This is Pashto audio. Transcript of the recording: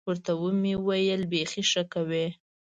ورته ومې ویل بيخي ښه کوې.